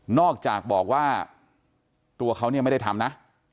หน้าจากบอกว่าตัวเขาไม่ได้ทำนะ